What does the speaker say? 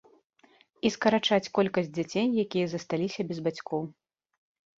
І скарачаць колькасць дзяцей, якія засталіся без бацькоў.